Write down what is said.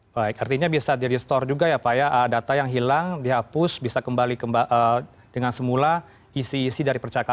baik artinya bisa jadi store juga ya pak ya data yang hilang dihapus bisa kembali dengan semula isi isi dari percakapan